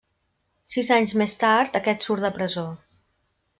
Sis anys més tard, aquest surt de presó.